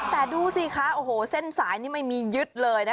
แต่ดูสิคะโอ้โหเส้นสายนี่ไม่มียึดเลยนะคะ